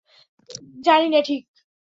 জানি না ঠিক।